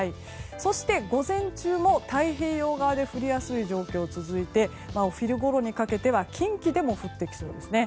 そして午前中も太平洋側で降りやすい状況が続いてお昼ごろにかけては近畿でも降ってきそうですね。